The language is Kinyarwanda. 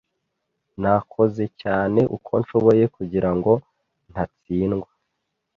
Nakoze cyane uko nshoboye kugirango ntatsindwa.